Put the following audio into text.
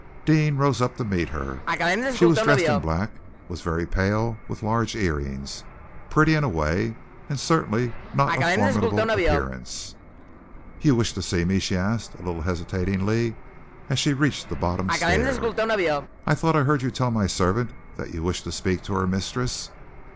Deane rose up to meet her. She was dressed in black, was very pale, with large earrings, pretty in a way, and certainly not of formidable appearance. "You wished to see me?" she asked, a little hesitatingly, as she reached the bottom stair. "I thought I heard you tell my servant that you wished to speak to her mistress."